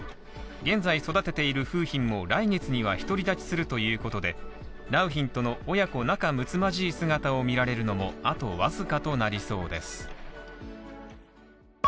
現在、育てている楓浜も来月には独り立ちするということで良浜との、親子仲睦まじい姿をみられるのもあと僅かとなりそうです。